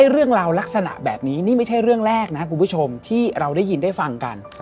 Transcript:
เรื่องราวลักษณะแบบนี้นี่ไม่ใช่เรื่องแรกนะคุณผู้ชมที่เราได้ยินได้ฟังกัน